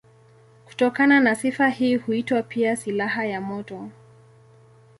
Kutokana na sifa hii huitwa pia silaha ya moto.